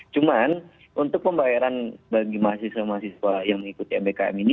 cuman untuk pembayaran bagi mahasiswa mahasiswa yang mengikuti mbkm ini